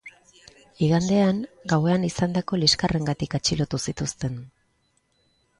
Igandean gauean izandako liskarrengatik atxilotu zituzten.